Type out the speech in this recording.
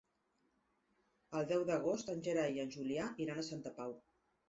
El deu d'agost en Gerai i en Julià iran a Santa Pau.